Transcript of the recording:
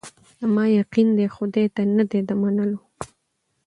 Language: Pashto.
زما یقین دی خدای ته نه دی د منلو